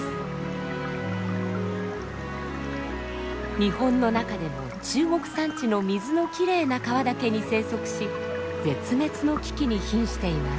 日本の中でも中国山地の水のきれいな川だけに生息し絶滅の危機に瀕しています。